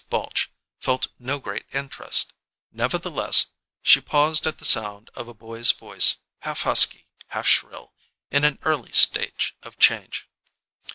Balche felt no great interest; nevertheless, she paused at the sound of a boy's voice, half husky, half shrill, in an early stage of change.